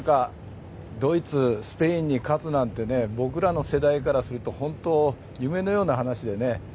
ドイツ、スペインに勝つなんて僕らの世代からすると本当、夢のような話でね。